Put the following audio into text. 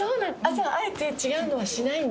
じゃああえて違うのはしないんだ。